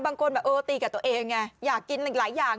บางคนตีกับตัวเองอยากกินหลายอย่าง